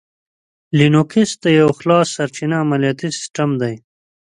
لینوکس یو خلاصسرچینه عملیاتي سیسټم دی.